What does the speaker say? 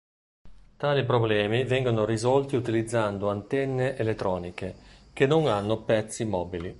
Tali problemi vengono risolti utilizzando antenne elettroniche, che non hanno pezzi mobili.